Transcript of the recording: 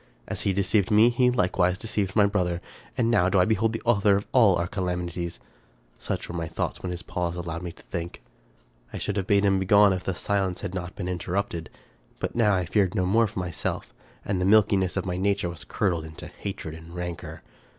As he deceived me, he likewise deceived my brother, and now do I behold the author of all our calamities ! Such were my thoughts when his pause allowed me to 287 American Mystery Stories think. I should have bade him begone if the silence had not been interrupted ; but now I feared no more for myself ; and the milkiness of my nature was curdled into hatred and rancor.